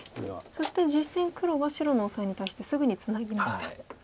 そして実戦黒は白のオサエに対してすぐにツナぎました。